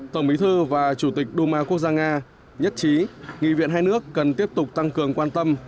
tổng bí thư và chủ tịch đu ma quốc gia nga nhất trí nghị viện hai nước cần tiếp tục tăng cường quan tâm